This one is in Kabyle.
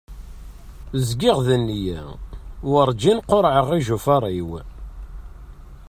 Zgiɣ d neyya, warǧin qurɛeɣ ijufar-iw.